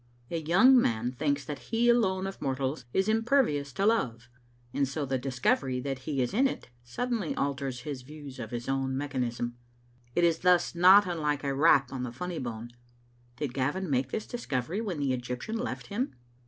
A YOUNG man thinks that he alone of mortals is im pervious to love, and so the discovery that he is in it suddenly alters his views of his own mechanism. It is thus not unlike a rap on the funny bone. Did Gavin make this discovery when the Egyptian left him?